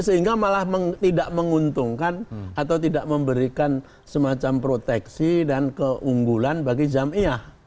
sehingga malah tidak menguntungkan atau tidak memberikan semacam proteksi dan keunggulan bagi ⁇ jamiah